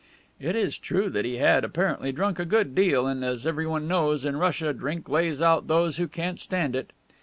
It is true that he had apparently drunk a good deal and, as everyone knows, in Russia drink lays out those who can't stand it.